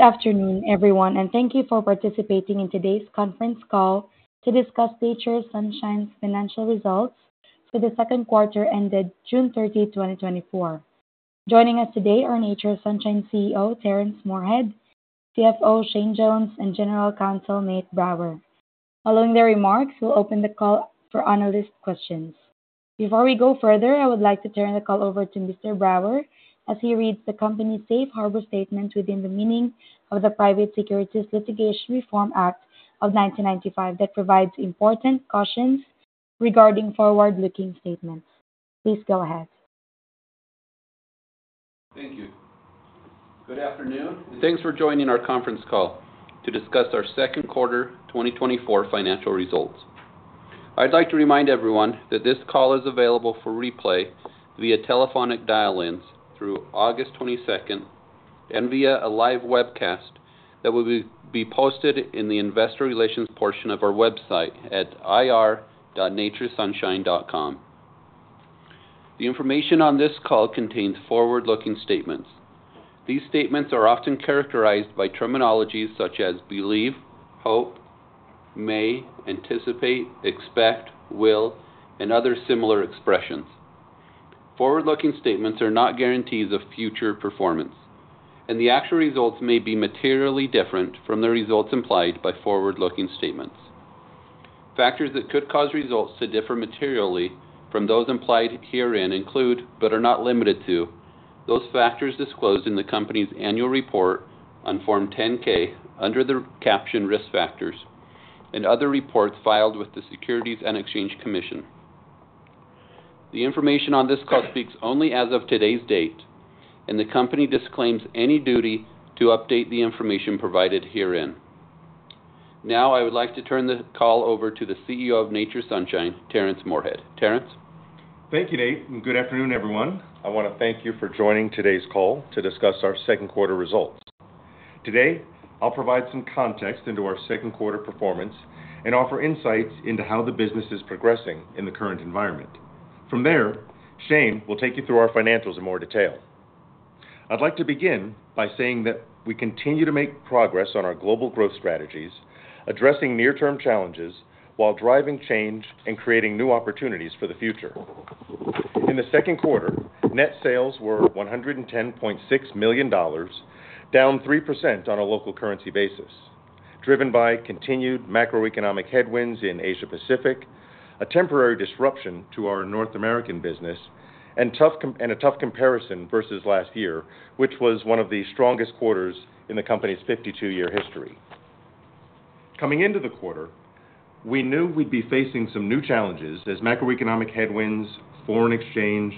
Good afternoon, everyone, and thank you for participating in today's conference call to discuss Nature's Sunshine's financial results for the second quarter ended June 30, 2024. Joining us today are Nature's Sunshine CEO, Terrence Moorehead, CFO, Shane Jones, and General Counsel, Nate Brower. Following their remarks, we'll open the call for analyst questions. Before we go further, I would like to turn the call over to Mr. Brower as he reads the company's safe harbor statement within the meaning of the Private Securities Litigation Reform Act of 1995, that provides important cautions regarding forward-looking statements. Please go ahead. Thank you. Good afternoon, and thanks for joining our conference call to discuss our second quarter 2024 financial results. I'd like to remind everyone that this call is available for replay via telephonic dial-ins through August 22nd and via a live webcast that will be posted in the investor relations portion of our website at ir.naturessunshine.com. The information on this call contains forward-looking statements. These statements are often characterized by terminologies such as believe, hope, may, anticipate, expect, will, and other similar expressions. Forward-looking statements are not guarantees of future performance, and the actual results may be materially different from the results implied by forward-looking statements. Factors that could cause results to differ materially from those implied herein include, but are not limited to, those factors disclosed in the company's annual report on Form 10-K, under the caption Risk Factors and other reports filed with the Securities and Exchange Commission. The information on this call speaks only as of today's date, and the company disclaims any duty to update the information provided herein. Now, I would like to turn the call over to the CEO of Nature's Sunshine, Terrence Moorehead. Terrence? Thank you, Nate, and good afternoon, everyone. I want to thank you for joining today's call to discuss our second quarter results. Today, I'll provide some context into our second quarter performance and offer insights into how the business is progressing in the current environment. From there, Shane will take you through our financials in more detail. I'd like to begin by saying that we continue to make progress on our global growth strategies, addressing near-term challenges, while driving change and creating new opportunities for the future. In the second quarter, net sales were $110.6 million, down 3% on a local currency basis, driven by continued macroeconomic headwinds in Asia Pacific, a temporary disruption to our North American business, and a tough comparison versus last year, which was one of the strongest quarters in the company's 52-year history. Coming into the quarter, we knew we'd be facing some new challenges as macroeconomic headwinds, foreign exchange,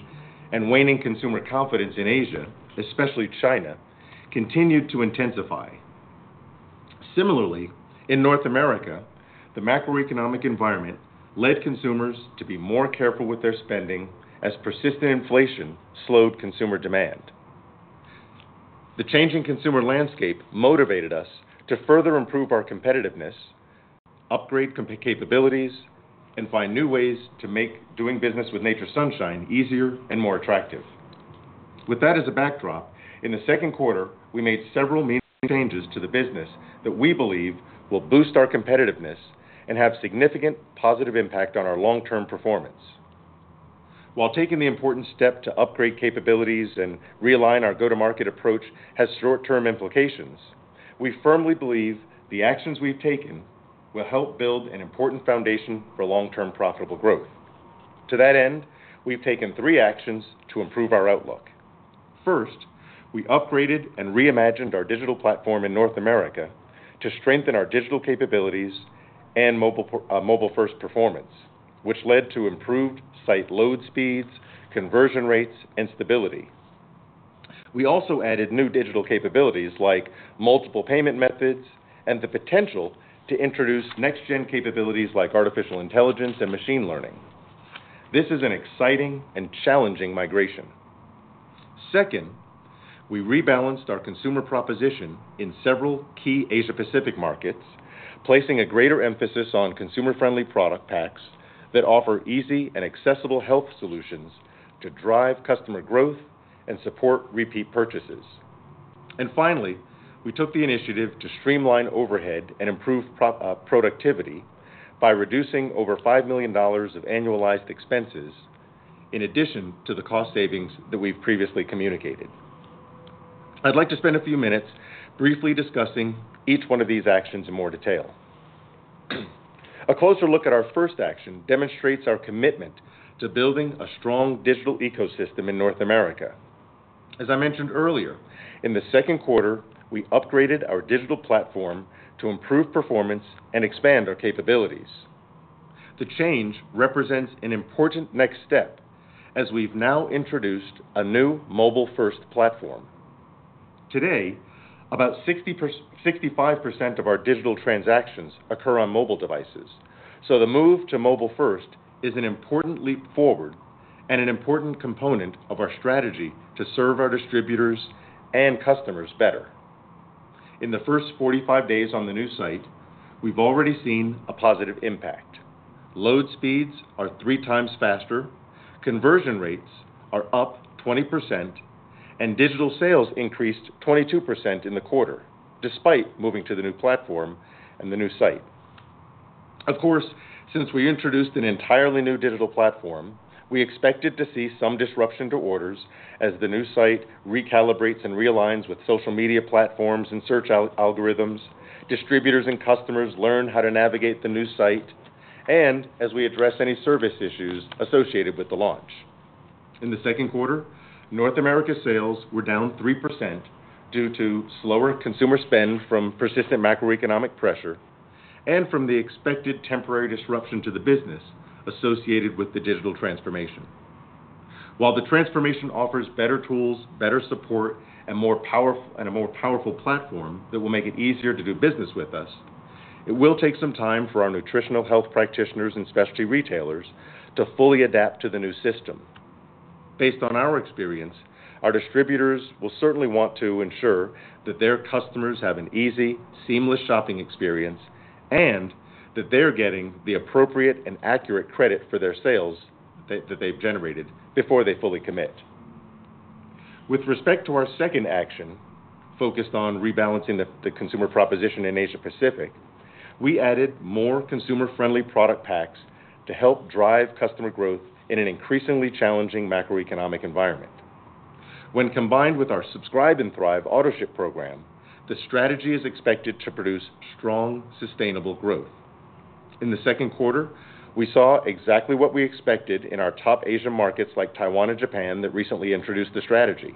and waning consumer confidence in Asia, especially China, continued to intensify. Similarly, in North America, the macroeconomic environment led consumers to be more careful with their spending as persistent inflation slowed consumer demand. The changing consumer landscape motivated us to further improve our competitiveness, upgrade capabilities, and find new ways to make doing business with Nature's Sunshine easier and more attractive. With that as a backdrop, in the second quarter, we made several meaningful changes to the business that we believe will boost our competitiveness and have significant positive impact on our long-term performance. While taking the important step to upgrade capabilities and realign our go-to-market approach has short-term implications, we firmly believe the actions we've taken will help build an important foundation for long-term profitable growth. To that end, we've taken three actions to improve our outlook. First, we upgraded and reimagined our digital platform in North America to strengthen our digital capabilities and mobile-first performance, which led to improved site load speeds, conversion rates, and stability. We also added new digital capabilities like multiple payment methods and the potential to introduce next gen capabilities like artificial intelligence and machine learning. This is an exciting and challenging migration. Second, we rebalanced our consumer proposition in several key Asia Pacific markets, placing a greater emphasis on consumer-friendly product packs that offer easy and accessible health solutions to drive customer growth and support repeat purchases. And finally, we took the initiative to streamline overhead and improve productivity by reducing over $5 million of annualized expenses, in addition to the cost savings that we've previously communicated. I'd like to spend a few minutes briefly discussing each one of these actions in more detail. A closer look at our first action demonstrates our commitment to building a strong digital ecosystem in North America. As I mentioned earlier, in the second quarter, we upgraded our digital platform to improve performance and expand our capabilities. The change represents an important next step as we've now introduced a new mobile-first platform. Today, about 65% of our digital transactions occur on mobile devices, so the move to mobile first is an important leap forward and an important component of our strategy to serve our distributors and customers better. In the first 45 days on the new site, we've already seen a positive impact. Load speeds are three times faster, conversion rates are up 20%, and digital sales increased 22% in the quarter, despite moving to the new platform and the new site. Of course, since we introduced an entirely new digital platform, we expected to see some disruption to orders as the new site recalibrates and realigns with social media platforms and search algorithms, distributors and customers learn how to navigate the new site, and as we address any service issues associated with the launch. In the second quarter, North America sales were down 3% due to slower consumer spend from persistent macroeconomic pressure and from the expected temporary disruption to the business associated with the digital transformation. While the transformation offers better tools, better support, and a more powerful platform that will make it easier to do business with us, it will take some time for our nutritional health practitioners and specialty retailers to fully adapt to the new system. Based on our experience, our distributors will certainly want to ensure that their customers have an easy, seamless shopping experience, and that they're getting the appropriate and accurate credit for their sales that they've generated before they fully commit. With respect to our second action, focused on rebalancing the consumer proposition in Asia Pacific, we added more consumer-friendly product packs to help drive customer growth in an increasingly challenging macroeconomic environment. When combined with our Subscribe and Thrive autoship program, the strategy is expected to produce strong, sustainable growth. In the second quarter, we saw exactly what we expected in our top Asian markets like Taiwan and Japan that recently introduced the strategy.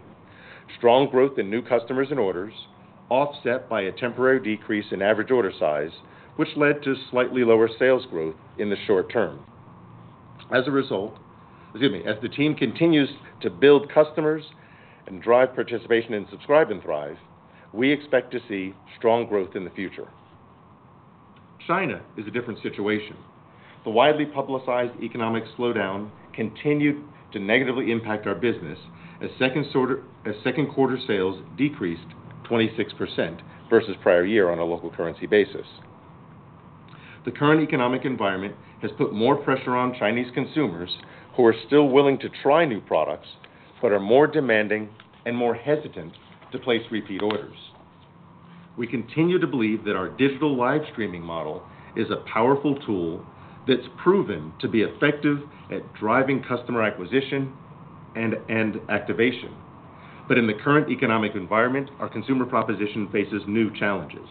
Strong growth in new customers and orders, offset by a temporary decrease in average order size, which led to slightly lower sales growth in the short term. As the team continues to build customers and drive participation in Subscribe & Thrive, we expect to see strong growth in the future. China is a different situation. The widely publicized economic slowdown continued to negatively impact our business as second quarter sales decreased 26% versus prior year on a local currency basis. The current economic environment has put more pressure on Chinese consumers, who are still willing to try new products, but are more demanding and more hesitant to place repeat orders. We continue to believe that our digital live streaming model is a powerful tool that's proven to be effective at driving customer acquisition and activation. But in the current economic environment, our consumer proposition faces new challenges.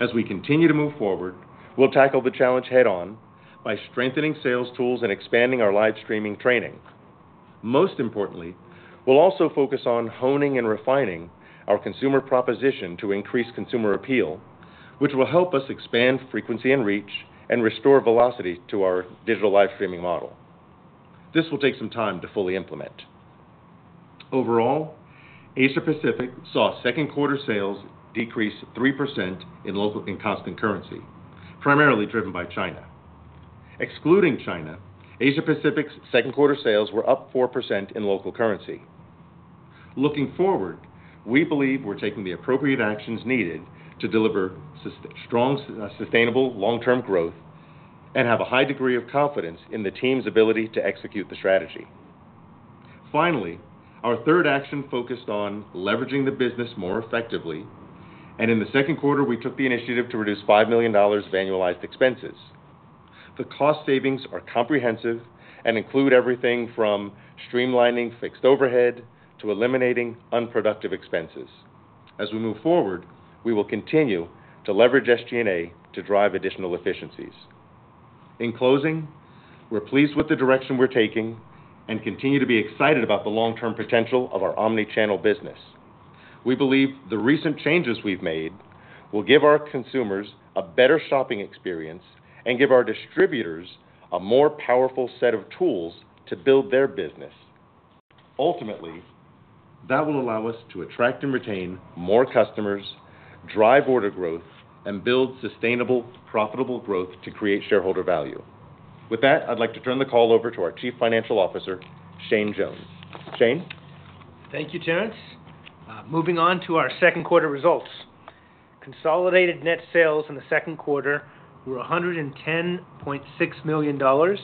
As we continue to move forward, we'll tackle the challenge head-on by strengthening sales tools and expanding our live streaming training. Most importantly, we'll also focus on honing and refining our consumer proposition to increase consumer appeal, which will help us expand frequency and reach, and restore velocity to our digital live streaming model. This will take some time to fully implement. Overall, Asia Pacific saw second quarter sales decrease 3% in constant currency, primarily driven by China. Excluding China, Asia Pacific's second quarter sales were up 4% in local currency. Looking forward, we believe we're taking the appropriate actions needed to deliver strong, sustainable long-term growth, and have a high degree of confidence in the team's ability to execute the strategy. Finally, our third action focused on leveraging the business more effectively, and in the second quarter, we took the initiative to reduce $5 million of annualized expenses. The cost savings are comprehensive and include everything from streamlining fixed overhead to eliminating unproductive expenses. As we move forward, we will continue to leverage SG&A to drive additional efficiencies. In closing, we're pleased with the direction we're taking and continue to be excited about the long-term potential of our omni-channel business. We believe the recent changes we've made will give our consumers a better shopping experience and give our distributors a more powerful set of tools to build their business. Ultimately, that will allow us to attract and retain more customers, drive order growth, and build sustainable, profitable growth to create shareholder value. With that, I'd like to turn the call over to our Chief Financial Officer, Shane Jones. Shane? Thank you, Terrence. Moving on to our second quarter results. Consolidated net sales in the second quarter were $110.6 million,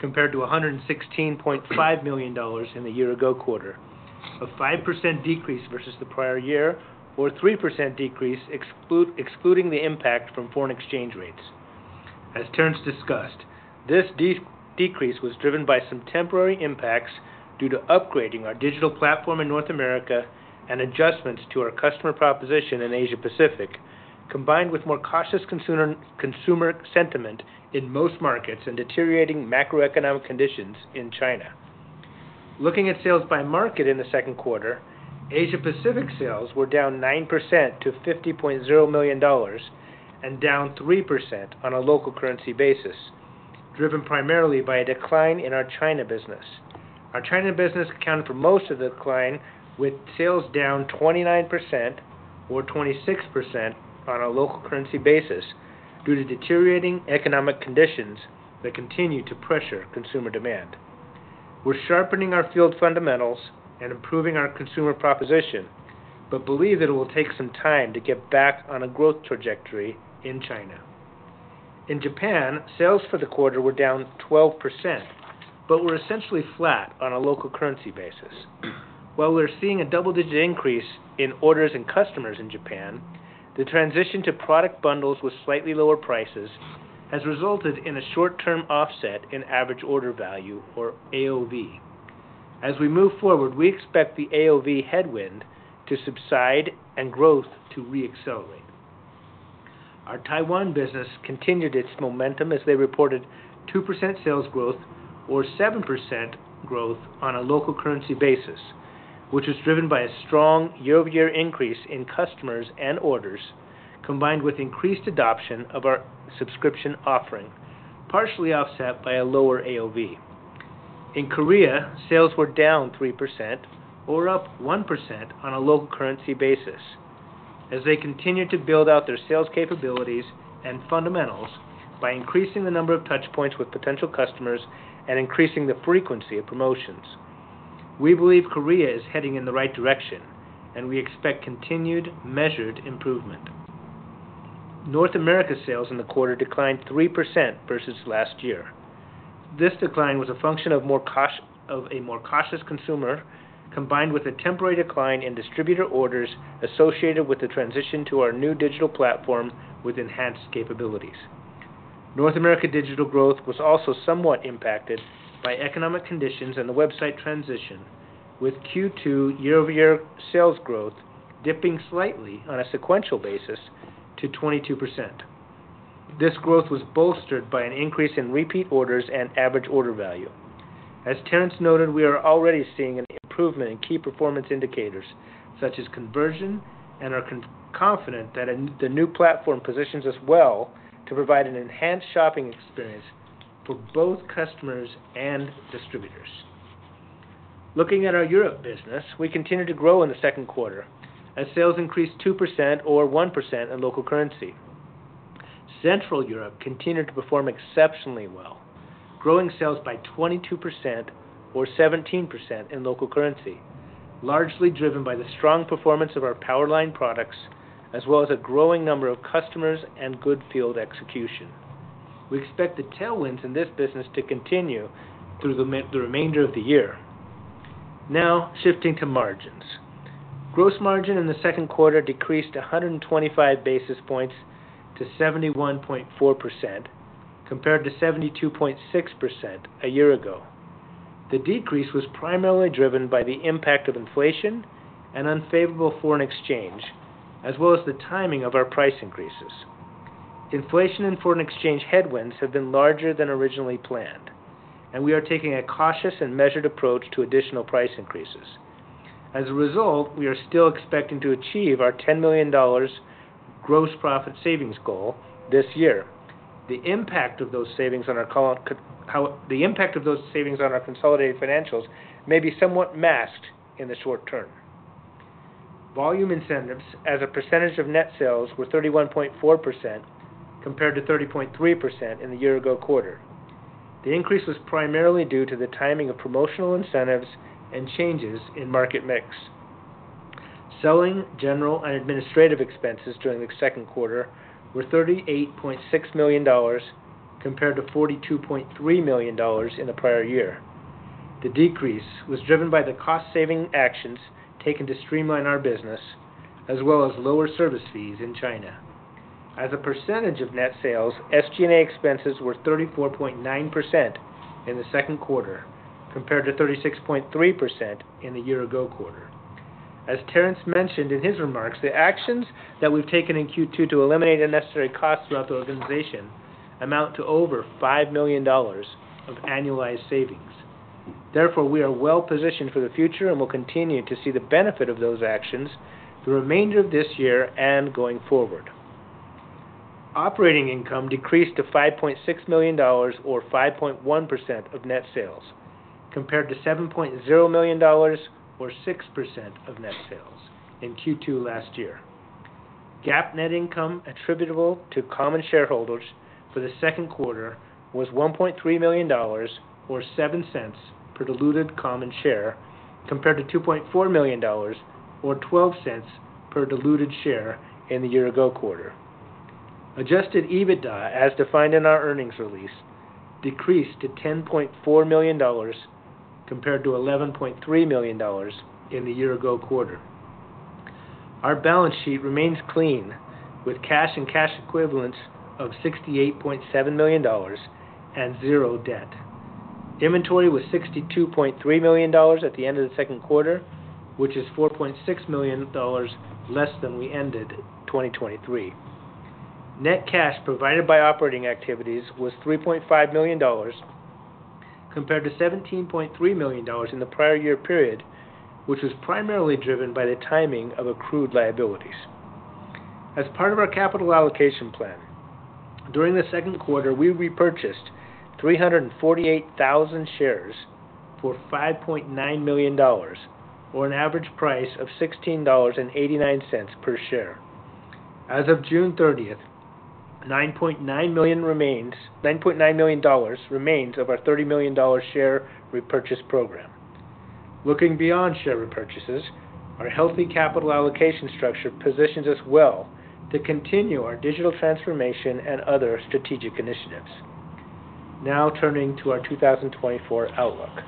compared to $116.5 million in the year ago quarter. A 5% decrease versus the prior year, or a 3% decrease, excluding the impact from foreign exchange rates. As Terrence discussed, this decrease was driven by some temporary impacts due to upgrading our digital platform in North America, and adjustments to our customer proposition in Asia Pacific, combined with more cautious consumer sentiment in most markets and deteriorating macroeconomic conditions in China. Looking at sales by market in the second quarter, Asia Pacific sales were down 9% to $50.0 million, and down 3% on a local currency basis, driven primarily by a decline in our China business. Our China business accounted for most of the decline, with sales down 29% or 26% on a local currency basis, due to deteriorating economic conditions that continue to pressure consumer demand.... We're sharpening our field fundamentals and improving our consumer proposition, but believe it will take some time to get back on a growth trajectory in China. In Japan, sales for the quarter were down 12%, but were essentially flat on a local currency basis. While we're seeing a double-digit increase in orders and customers in Japan, the transition to product bundles with slightly lower prices has resulted in a short-term offset in average order value, or AOV. As we move forward, we expect the AOV headwind to subside and growth to re-accelerate. Our Taiwan business continued its momentum as they reported 2% sales growth, or 7% growth on a local currency basis, which was driven by a strong year-over-year increase in customers and orders, combined with increased adoption of our subscription offering, partially offset by a lower AOV. In Korea, sales were down 3%, or up 1% on a local currency basis, as they continued to build out their sales capabilities and fundamentals by increasing the number of touch points with potential customers and increasing the frequency of promotions. We believe Korea is heading in the right direction, and we expect continued, measured improvement. North America sales in the quarter declined 3% versus last year. This decline was a function of a more cost-conscious consumer, combined with a temporary decline in distributor orders associated with the transition to our new digital platform with enhanced capabilities. North America digital growth was also somewhat impacted by economic conditions and the website transition, with Q2 year-over-year sales growth dipping slightly on a sequential basis to 22%. This growth was bolstered by an increase in repeat orders and average order value. As Terrence noted, we are already seeing an improvement in key performance indicators, such as conversion, and are confident that the new platform positions us well to provide an enhanced shopping experience for both customers and distributors. Looking at our Europe business, we continued to grow in the second quarter, as sales increased 2% or 1% in local currency. Central Europe continued to perform exceptionally well, growing sales by 22% or 17% in local currency, largely driven by the strong performance of our Power Line products, as well as a growing number of customers and good field execution. We expect the tailwinds in this business to continue through the remainder of the year. Now, shifting to margins. Gross margin in the second quarter decreased 125 basis points to 71.4%, compared to 72.6% a year ago. The decrease was primarily driven by the impact of inflation and unfavorable foreign exchange, as well as the timing of our price increases. Inflation and foreign exchange headwinds have been larger than originally planned, and we are taking a cautious and measured approach to additional price increases. As a result, we are still expecting to achieve our $10 million gross profit savings goal this year. The impact of those savings on our consolidated financials may be somewhat masked in the short term. Volume incentives as a percentage of net sales were 31.4%, compared to 30.3% in the year ago quarter. The increase was primarily due to the timing of promotional incentives and changes in market mix. Selling, general, and administrative expenses during the second quarter were $38.6 million, compared to $42.3 million in the prior year. The decrease was driven by the cost-saving actions taken to streamline our business, as well as lower service fees in China. As a percentage of net sales, SG&A expenses were 34.9% in the second quarter, compared to 36.3% in the year ago quarter. As Terrence mentioned in his remarks, the actions that we've taken in Q2 to eliminate unnecessary costs throughout the organization amount to over $5 million of annualized savings. Therefore, we are well positioned for the future and will continue to see the benefit of those actions the remainder of this year and going forward. Operating income decreased to $5.6 million or 5.1% of net sales, compared to $7.0 million or 6% of net sales in Q2 last year. GAAP net income attributable to common shareholders for the second quarter was $1.3 million, or $0.07 per diluted common share, compared to $2.4 million, or $0.12 per diluted share in the year-ago quarter. Adjusted EBITDA, as defined in our earnings release, decreased to $10.4 million, compared to $11.3 million in the year-ago quarter. Our balance sheet remains clean, with cash and cash equivalents of $68.7 million and zero debt. Inventory was $62.3 million at the end of the second quarter, which is $4.6 million less than we ended 2023. Net cash provided by operating activities was $3.5 million, compared to $17.3 million in the prior year period, which was primarily driven by the timing of accrued liabilities. As part of our capital allocation plan, during the second quarter, we repurchased 348,000 shares for $5.9 million, or an average price of $16.89 per share. As of June 30th, $9.9 million remains of our $30 million share repurchase program. Looking beyond share repurchases, our healthy capital allocation structure positions us well to continue our digital transformation and other strategic initiatives. Now turning to our 2024 outlook.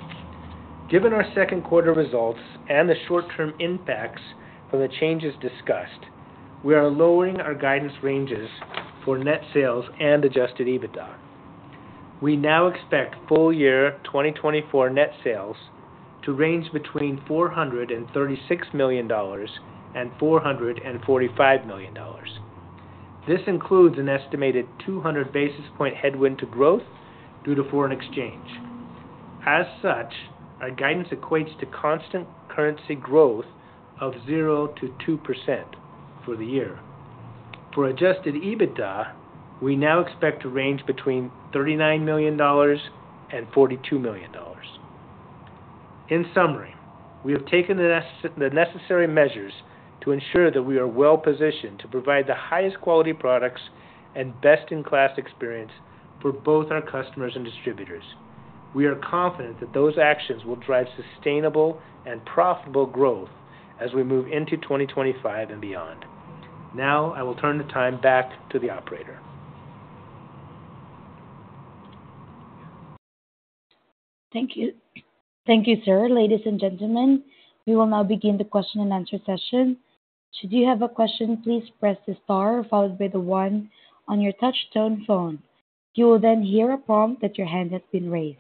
Given our second quarter results and the short-term impacts from the changes discussed, we are lowering our guidance ranges for net sales and adjusted EBITDA. We now expect full year 2024 net sales to range between $436 million and $445 million. This includes an estimated 200 basis points headwind to growth due to foreign exchange. As such, our guidance equates to constant currency growth of 0%-2% for the year. For Adjusted EBITDA, we now expect to range between $39 million and $42 million. In summary, we have taken the necessary measures to ensure that we are well-positioned to provide the highest quality products and best-in-class experience for both our customers and distributors. We are confident that those actions will drive sustainable and profitable growth as we move into 2025 and beyond. Now I will turn the time back to the operator. Thank you. Thank you, sir. Ladies and gentlemen, we will now begin the question and answer session. Should you have a question, please press the star followed by the one on your touchtone phone. You will then hear a prompt that your hand has been raised.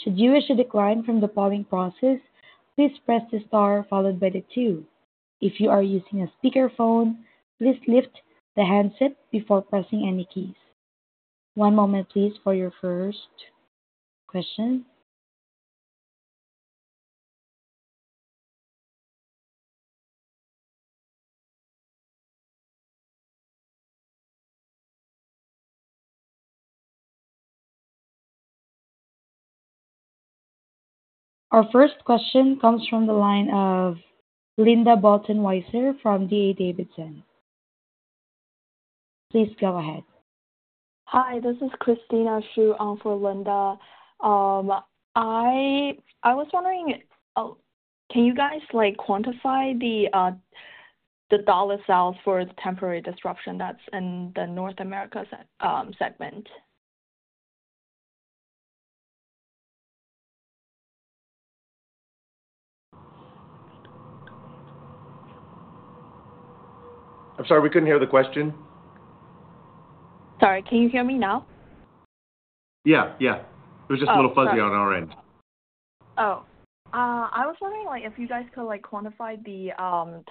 Should you wish to decline from the polling process, please press the star followed by the two. If you are using a speakerphone, please lift the handset before pressing any keys. One moment, please, for your first question. Our first question comes from the line of Linda Bolton Weiser from D.A. Davidson. Please go ahead. Hi, this is Christina Shu on for Linda. I was wondering, can you guys, like, quantify the dollar sales for the temporary disruption that's in the North America segment? I'm sorry, we couldn't hear the question. Sorry, can you hear me now? Yeah, yeah. Oh, sorry. It was just a little fuzzy on our end. I was wondering, like, if you guys could, like, quantify the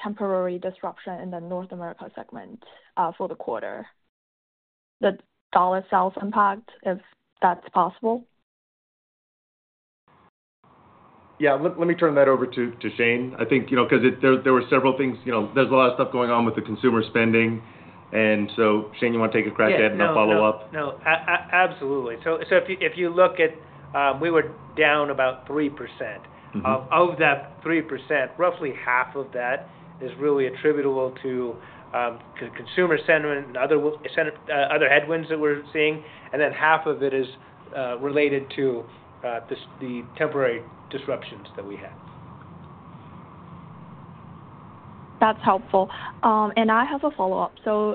temporary disruption in the North America segment for the quarter, the dollar sales impact, if that's possible. Yeah, let me turn that over to Shane. I think, you know, 'cause there were several things... You know, there's a lot of stuff going on with the consumer spending. And so, Shane, you wanna take a crack at it- Yeah. -and then follow up? No, absolutely. So, if you look at, we were down about 3%. Mm-hmm. Of that 3%, roughly half of that is really attributable to consumer sentiment and other headwinds that we're seeing, and then half of it is related to the temporary disruptions that we had. That's helpful. I have a follow-up.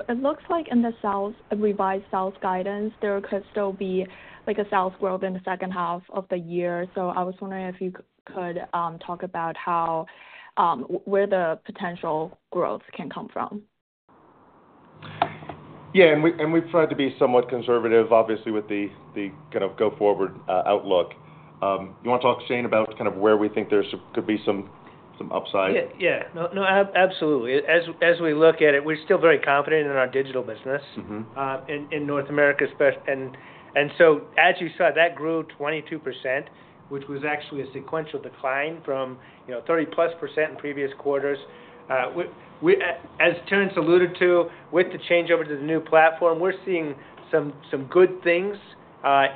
It looks like in the sales, revised sales guidance, there could still be, like, a sales growth in the second half of the year. I was wondering if you could talk about how, where the potential growth can come from. Yeah, and we've tried to be somewhat conservative, obviously with the kind of go-forward outlook. You wanna talk, Shane, about kind of where we think there could be some upside? Yeah. Absolutely. As we look at it, we're still very confident in our digital business in North America especially. And so as you saw, that grew 22%, which was actually a sequential decline from, you know, 30%+ in previous quarters. As Terrence alluded to, with the change over to the new platform, we're seeing some good things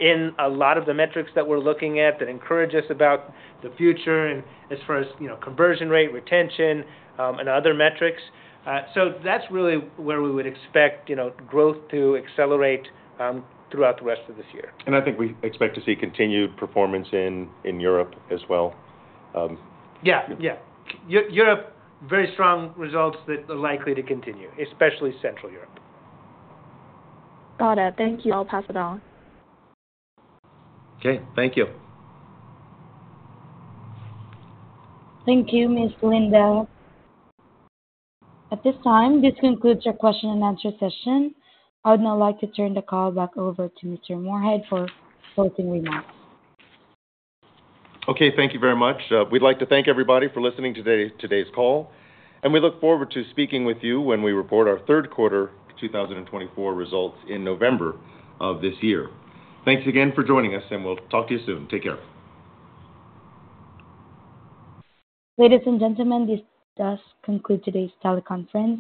in a lot of the metrics that we're looking at that encourage us about the future and as far as, you know, conversion rate, retention, and other metrics. So that's really where we would expect, you know, growth to accelerate throughout the rest of this year. And I think we expect to see continued performance in Europe as well. Yeah, yeah. Europe, very strong results that are likely to continue, especially Central Europe. Got it. Thank you. I'll pass it on. Okay, thank you. Thank you, Ms. Linda. At this time, this concludes our question and answer session. I would now like to turn the call back over to Mr. Moorehead for closing remarks. Okay, thank you very much. We'd like to thank everybody for listening today, today's call, and we look forward to speaking with you when we report our third quarter 2024 results in November of this year. Thanks again for joining us, and we'll talk to you soon. Take care. Ladies and gentlemen, this does conclude today's teleconference.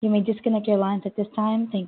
You may disconnect your lines at this time. Thank you.